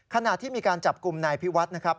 ขณะที่มีการจับกลุ่มนายพิวัฒน์นะครับ